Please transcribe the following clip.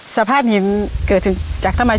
สะพานหินเกิดถึงจากธรรมชาติ